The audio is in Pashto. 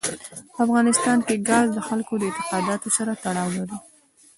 په افغانستان کې ګاز د خلکو د اعتقاداتو سره تړاو لري.